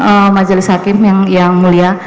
eh majelis hakim yang mulia